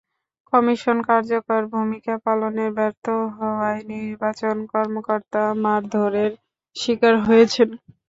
Commission কার্যকর ভূমিকা পালনে ব্যর্থ হওয়ায় নির্বাচন কর্মকর্তা মারধরের শিকার হয়েছেন।